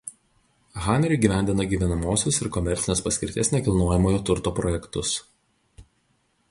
Hanner įgyvendina gyvenamosios ir komercinės paskirties nekilnojamojo turto projektus.